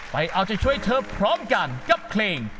ไปเอาใจช่วยเธอพร้อมกันกับเพลง